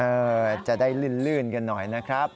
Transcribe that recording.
จะได้ลื่นกันหน่อยนะครับ